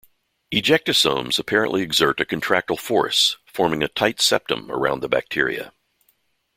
Ejectosomes apparently exert a contractile force, forming a tight septum around the bacteria.